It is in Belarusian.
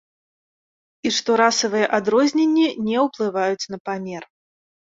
І што расавыя адрозненні не ўплываюць на памер.